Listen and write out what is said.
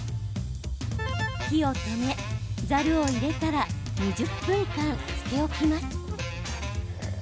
火を止め、ざるを入れたら２０分間つけ置きます。